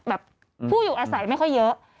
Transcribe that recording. ผู้อยู่อาศัยไม่ค่อยเยอะ